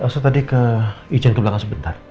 elsa tadi ke ijen ke belangang sebentar